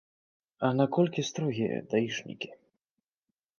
А наколькі строгія даішнікі?